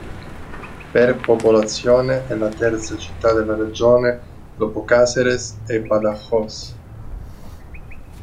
Per popolazione è la terza città della regione dopo Cáceres e Badajoz.